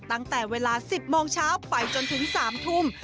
ตั้งแต่เวลา๑๐โมงเช้าไปจนถึง๓ทุ่ม